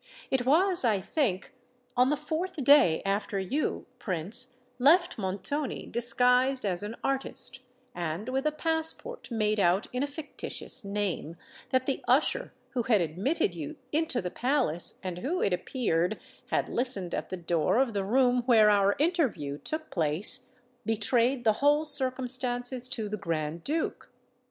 It was, I think, on the fourth day after you, Prince, left Montoni, disguised as an artist, and with a passport made out in a fictitious name, that the usher who had admitted you into the palace, and who, it appeared, had listened at the door of the room where our interview took place, betrayed the whole circumstances to the Grand Duke.